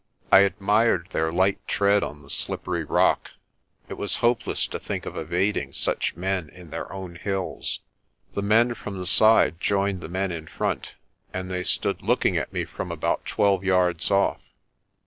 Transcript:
I admired their light tread on the slippery rock. It was hopeless to think of evading such men in their own hills. The men from the side joined the men in front, and they stood looking at me from about twelve yards off.